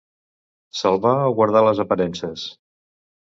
Salvar o guardar les aparences.